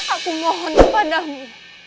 aku mohon padamu